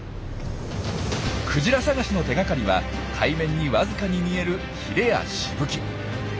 クジラ探しの手がかりは海面にわずかに見えるヒレやしぶき。